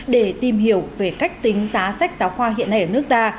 để tìm hiểu về cách tính giá sách giáo khoa hiện nay ở nước ta